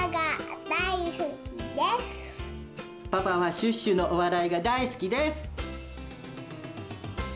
パパはシュッシュのおわらいがだいすきです。